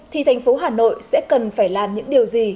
thì thành phố hà nội sẽ cần phải làm những điều gì